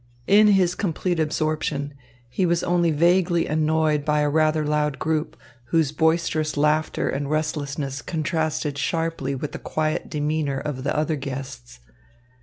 In his complete absorption, he was only vaguely annoyed by a rather loud group, whose boisterous laughter and restlessness contrasted sharply with the quiet demeanour of the other guests.